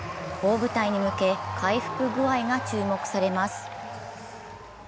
大舞台に向け回復具合が注目されます。